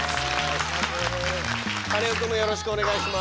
カネオくんもよろしくお願いします。